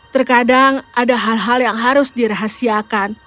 terkadang ada hal hal yang harus dirahasiakan